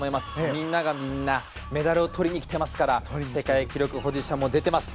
みんながみんなメダルをとりにきてますから世界記録保持者も出ています。